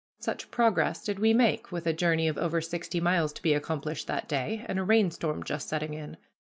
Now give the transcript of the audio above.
Such progress did we make, with a journey of over sixty miles to be accomplished that day, and a rainstorm just setting in.